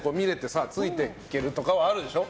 さ着いていけるとかはあるでしょ？